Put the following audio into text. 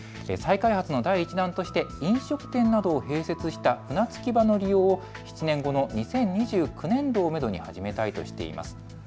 再開発の第１弾として飲食店などを併設した船着き場の利用を７年後の２０２９年度をめどに始めたいとしています。